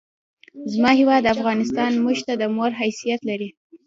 زما هېواد افغانستان مونږ ته د مور حیثیت لري!